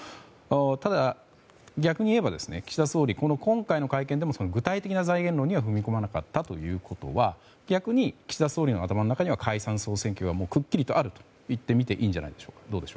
ただ、逆に言えば岸田総理、今回の会見でも具体的な財源論に踏み込まなかったということは逆に岸田総理の頭の中には解散・総選挙がくっきりとあるとみていいんじゃないでしょうか。